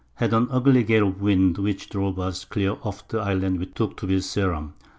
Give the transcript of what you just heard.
_ Had an ugly Gale of Wind, which drove us clear off the Island we took to be Ceram.